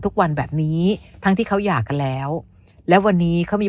ทุกวันแบบนี้ทั้งที่เขาหย่ากันแล้วและวันนี้เขามี